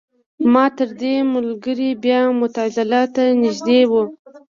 ماتریدي ملګري بیا معتزله ته نژدې وو.